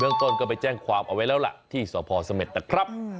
ต้นก็ไปแจ้งความเอาไว้แล้วล่ะที่สพเสม็ดนะครับ